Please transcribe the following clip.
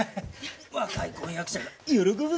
若い婚約者が喜ぶぞ！